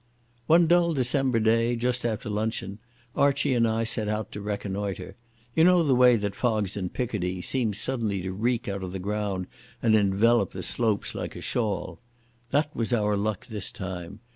One dull December day, just after luncheon, Archie and I set out to reconnoitre. You know the way that fogs in Picardy seem suddenly to reek out of the ground and envelop the slopes like a shawl. That was our luck this time.